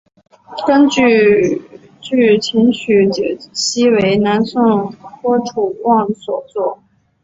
据琴曲解析为南宋郭楚望所作。